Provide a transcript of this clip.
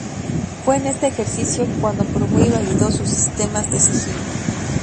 Fue en este ejercicio cuando probó y validó sus sistemas de sigilo.